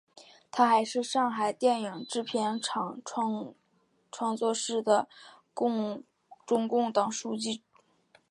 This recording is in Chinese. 她还是上海电影制片厂创作室的中共党总支书记。